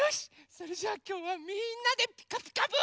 それじゃあきょうはみんなで「ピカピカブ！」。